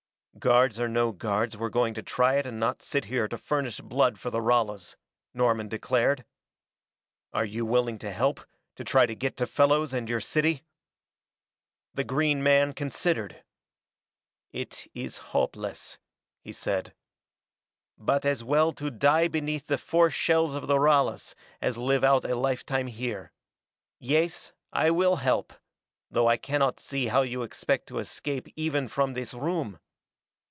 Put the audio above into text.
"Guards or no guards, we're going to try it and not sit here to furnish blood for the Ralas," Norman declared. "Are you willing to help, to try to get to Fellows and your city?" The green man considered. "It is hopeless," he said, "but as well to die beneath the force shells of the Ralas as live out a lifetime here. Yes, I will help, though I cannot see how you expect to escape even from this room."